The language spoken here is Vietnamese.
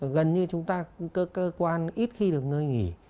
gần như chúng ta cơ quan ít khi được nơi nghỉ